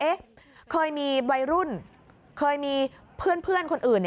เคยมีวัยรุ่นเคยมีเพื่อนคนอื่น